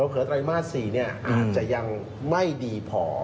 เผลอไตรมาส๔อาจจะยังไม่ดีพอ